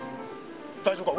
大丈夫か？